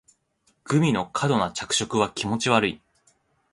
グミの過度な着色は気持ち悪い